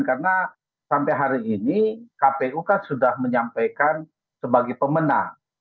karena sampai hari ini kpu kan sudah menyampaikan sebagai pemenang